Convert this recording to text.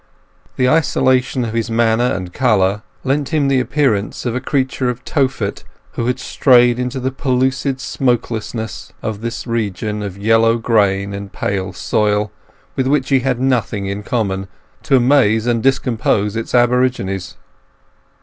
The isolation of his manner and colour lent him the appearance of a creature from Tophet, who had strayed into the pellucid smokelessness of this region of yellow grain and pale soil, with which he had nothing in common, to amaze and to discompose its aborigines.